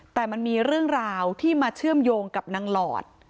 แต่มันมีเรื่องราวที่มาเชื่อมโยงกับนางหลอด